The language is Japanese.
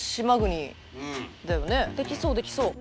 できそうできそう。